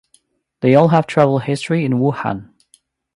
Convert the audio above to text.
They all have travel history in Wuhan.